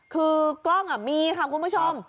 คือกล้องมีค่ะคุณผู้ชม